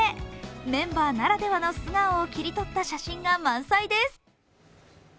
メンバーならではの素顔を切り取った写真が満載です。